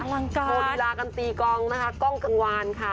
อลังการโศนีลากันตีกองกล้องกังวานค่ะ